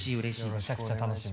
めちゃくちゃ楽しみ。